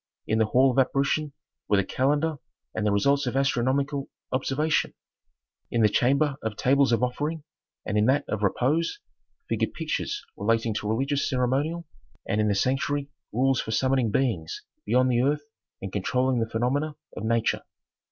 In the hall of "apparition" were the calendar and the results of astronomical observation; in the chamber of "tables of offering," and in that of "repose" figured pictures relating to religious ceremonial, and in the sanctuary rules for summoning beings beyond the earth and controlling the phenomena of nature.